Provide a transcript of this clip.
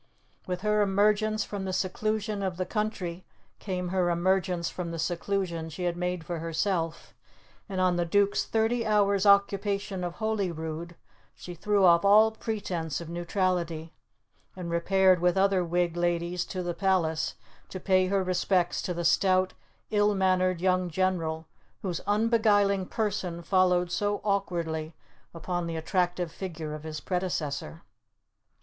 With her emergence from the seclusion of the country came her emergence from the seclusion she had made for herself; and on the Duke's thirty hours' occupation of Holyrood, she threw off all pretence of neutrality, and repaired with other Whig ladies to the palace to pay her respects to the stout, ill mannered young General whose unbeguiling person followed so awkwardly upon the attractive figure of his predecessor.